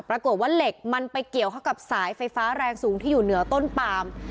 ปรากฏว่าเหล็กมันไปเกี่ยวเข้ากับสายไฟฟ้าแรงสูงที่อยู่เหนือต้นปาม